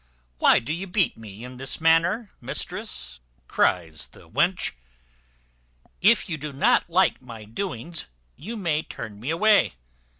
"Why do you beat me in this manner, mistress?" cries the wench. "If you don't like my doings, you may turn me away.